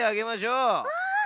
うわ。